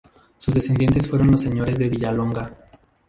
Sus descendientes fueron los señores de Villalonga.